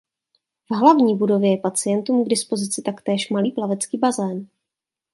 V hlavní budově je pacientům k dispozici taktéž malý plavecký bazén.